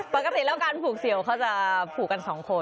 ปกติแล้วการผูกเสี่ยวเขาจะผูกกันสองคน